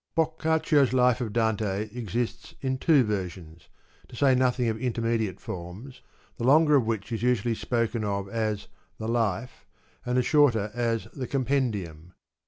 — Boccaccio's Life of Dante exists in two versions (to say nothing of inter mediate forms), the longer of which is usually spoken of as the * Life ' and the shorter as the * Compendium.'